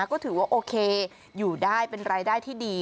ก็ถือว่าโอเคอยู่ได้เป็นรายได้ที่ดี